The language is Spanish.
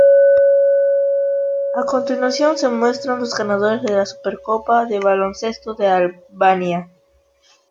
A continuación se muestran los ganadores de la Supercopa de baloncesto de Albania.